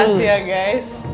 makasih ya guys